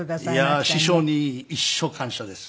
いや師匠に一生感謝です